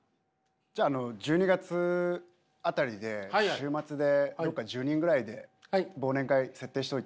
じゃああの１２月辺りで週末でどっか１０人ぐらいで忘年会設定しておいて。